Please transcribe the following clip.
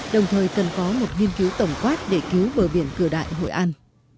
đồng thời cần có một nghiên cứu tổng quát để cứu bờ biển cửa đại hội an